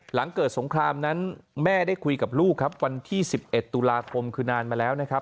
หลังเกิดสงครามนั้นแม่ได้คุยกับลูกครับวันที่๑๑ตุลาคมคือนานมาแล้วนะครับ